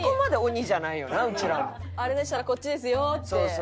「あれでしたらこっちですよ」って。